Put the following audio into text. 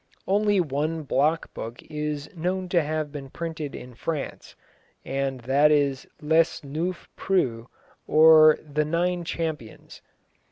Only one block book is known to have been printed in France, and that is Les Neuf Preux, or the Nine Champions.